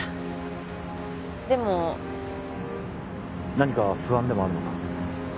何か不安でもあるのか？